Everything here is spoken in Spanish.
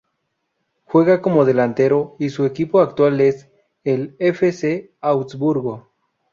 Juega como delantero y su equipo actual es el F. C. Augsburgo.